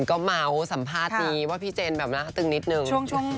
ก็เมาส์สัมภาษณ์ดีว่าพี่เจนแบบน่าตึงนิดนึง